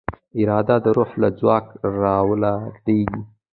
اراده د روح له ځواک راولاړېږي.